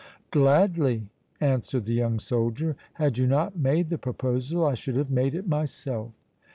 "Gladly," answered the young soldier. "Had you not made the proposal, I should have made it myself!"